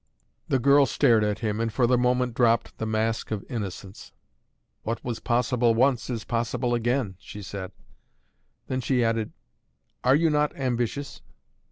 The girl stared at him and for the moment dropped the mask of innocence. "What was possible once, is possible again," she said. Then she added: "Are you not ambitious?"